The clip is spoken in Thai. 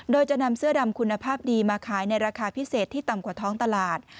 โดยจะนำเสื้อดำคุณภาพดีมาขายในราคาพิเศษที่ต่ำกว่าท้องตลาด